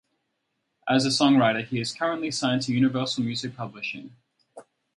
As a songwriter he is currently signed to Universal Music Publishing.